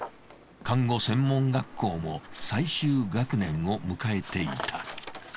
看護専門学校も最終学年を迎えていた。